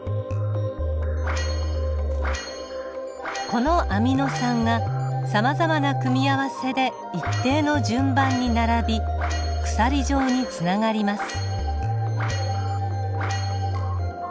このアミノ酸がさまざまな組み合わせで一定の順番に並び鎖状につながります。